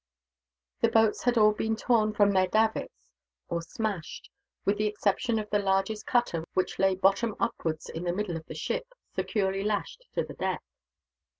The boats had all been torn from their davits, or smashed; with the exception of the largest cutter, which lay bottom upwards in the middle of the ship, securely lashed to the deck.